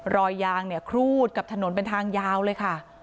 รอยยางเนี่ยครูดกับถนนเป็นทางยาวเลยค่ะ